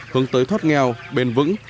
hướng tới thoát nghèo bền vững